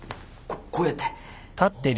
こっこうやって。